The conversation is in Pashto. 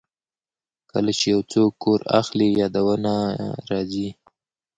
کله چې یو څوک کور اخلي، یادونه راځي.